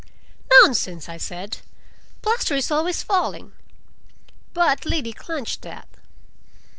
"Nonsense!" I said. "Plaster is always falling." But Liddy clenched that.